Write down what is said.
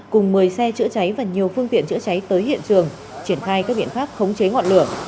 cùng một mươi xe chữa cháy và nhiều phương tiện chữa cháy tới hiện trường triển khai các biện pháp khống chế ngọn lửa